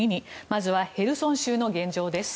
まずはヘルソン州の現状です。